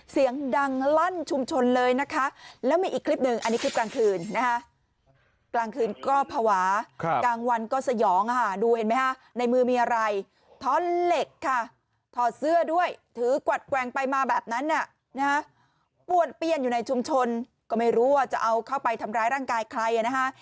เสียงดังลั่นชุมชนเลยนะคะแล้วมีอีกคลิปหนึ่งอันนี้คลิปกลางคืนนะฮะกลางคืนก็ภาวะกลางวันก็สยองดูเห็นไหมฮะในมือมีอะไรท้อนเหล็กค่ะถอดเสื้อด้วยถือกวัดแกว่งไปมาแบบนั้นป้วนเปี้ยนอยู่ในชุมชนก็ไม่รู้ว่าจะเอาเข้าไปทำร้ายร่างกายใครนะคะ